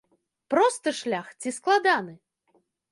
Просты шлях ці складаны?